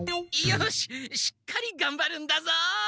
しっかりがんばるんだぞ！